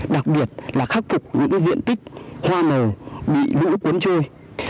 đặc biệt là khắc phục những diện tích hoa màu bị lũ cuốn trôi